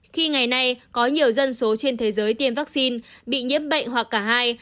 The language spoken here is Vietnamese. khi ngày nay có nhiều dân số trên thế giới tiêm vaccine bị nhiễm bệnh hoặc cả hai